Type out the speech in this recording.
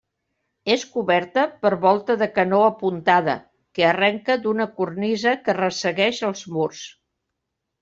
És coberta per volta de canó apuntada, que arrenca d'una cornisa que ressegueix els murs.